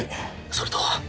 それと。